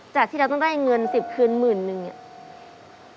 จากที่เราต้องได้เงิน๑๐คืน๑๐๐๐๐บาท